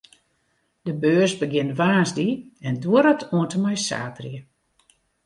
De beurs begjint woansdei en duorret oant en mei saterdei.